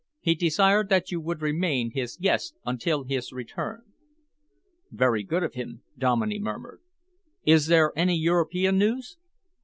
He desired that you would remain his guest until his return." "Very good of him," Dominey murmured. "Is there any European news?"